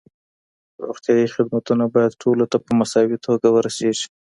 روغتیايي خدمتونه باید ټولو ته په مساوي توګه ورسیږي.